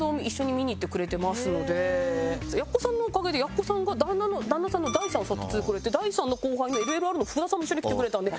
奴さんのおかげで奴さんが旦那さんの大さんを誘ってくれて大さんの後輩のＬＬＲの福田さんも一緒に来てくれたんで。